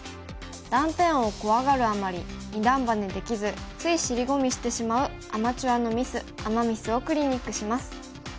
断点を怖がるあまり二段バネできずつい尻込みしてしまうアマチュアのミスアマ・ミスをクリニックします。